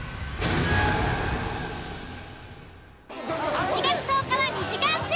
１月１０日は２時間ＳＰ。